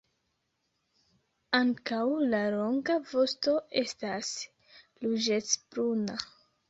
Ankaŭ la longa vosto estas ruĝecbruna.